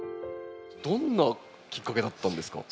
どんなきっかけだったんですか？